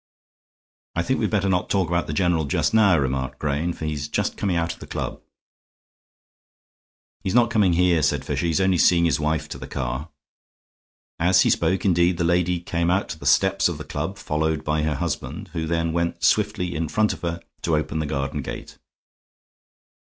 "I think we'd better not talk about the general just now," remarked Grayne, "for he's just coming out of the club." "He's not coming here," said Fisher. "He's only seeing his wife to the car." As he spoke, indeed, the lady came out on the steps of the club, followed by her husband, who then went swiftly in front of her to open the garden gate.